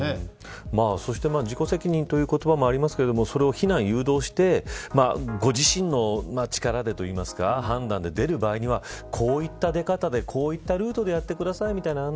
そして自己責任という言葉もありますけどそれを避難誘導してご自身の力でというか判断で出る場合にはこういった出方でこういったルートでやってください